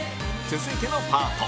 続いてのパート